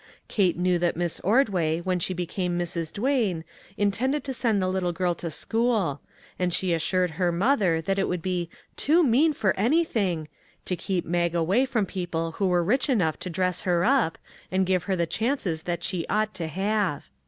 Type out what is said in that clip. Kate knew that Miss Ordway, when she became Mrs. Duane, intended to send the little girl to school, and she assured her mother that it would be " too mean for any thing " to keep Mag away from people who were rich enough to dress her up, and give her the chances that she ought to have.